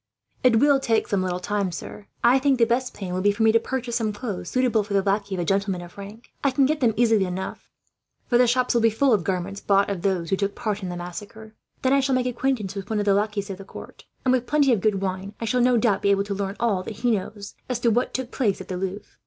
"It will take some little time, sir," Pierre said. "I think the best plan will be for me to purchase some clothes, suitable for the lackey of a gentleman of rank. I can get them easily enough, for the shops will be full of garments, bought of those who took part in the massacre. Then I shall make acquaintance with one of the lackeys of the court and, with plenty of good wine, I shall no doubt be able to learn all that he knows as to what took place at the Louvre."